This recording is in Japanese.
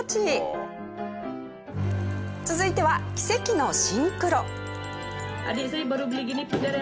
続いては奇跡のシンクロ。